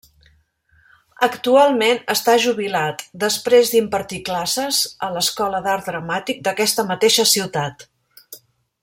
Actualment està jubilat, després d'impartir classes a l'Escola d'Art Dramàtic d'aquesta mateixa ciutat.